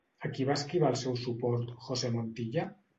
A qui va esquivar el seu suport José Montilla?